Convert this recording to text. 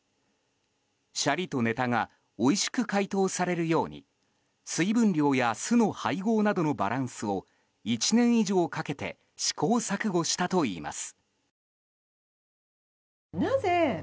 シャリとネタがおいしく解凍されるように水分量や酢の配合などのバランスを１年以上かけて試行錯誤したといいます。